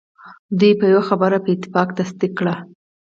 دوی به یوه خبره په اتفاق تصدیق کړي.